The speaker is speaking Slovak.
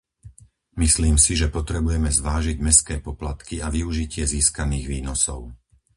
Myslím si, že potrebujeme zvážiť mestské poplatky a využitie získaných výnosov.